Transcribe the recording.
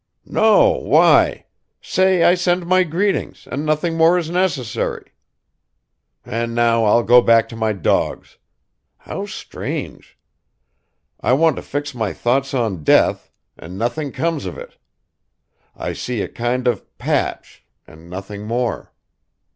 "No, why? Say, I send my greetings, and nothing more is necessary. And now I'll go back to my dogs. How strange! I want to fix my thoughts on death, and nothing comes of it. I see a kind of patch ... and nothing more."